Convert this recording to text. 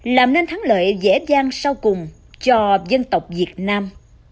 làm nên thắng lợi dễ dàng sau cùng cho dân tộc việt nam